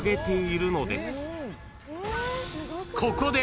［ここで］